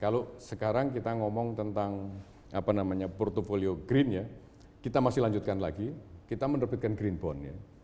lalu sekarang kita ngomong tentang portfolio green kita masih lanjutkan lagi kita menerbitkan green bond